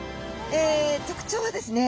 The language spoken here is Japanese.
え特徴はですね